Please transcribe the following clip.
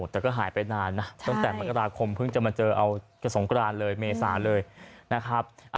แต่ก็หายไปนานนะตั้งแต่มกราคมเพิ่งจะมาเจอเอาจะสงกรานเลยเมษาเลยนะครับ